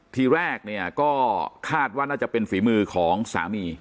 ทีแรกเนี่ยก็คาดว่าน่าจะเป็นฝีมือของสามี